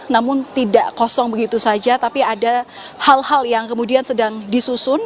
namun tidak kosong begitu saja tapi ada hal hal yang kemudian sedang disusun